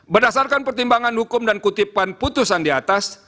berdasarkan pertimbangan hukum dan kutipan putusan di atas